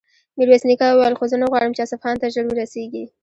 ميرويس نيکه وويل: خو زه نه غواړم چې اصفهان ته ژر ورسېږي.